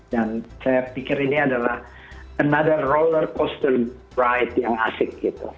dan saya pikir ini adalah another rollercoaster ride yang asik gitu